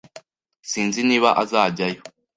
Sinzi niba azajyayo.